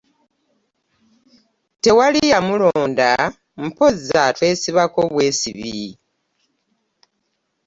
Tewali yamulonda mpozzi atwesibako bwesibi.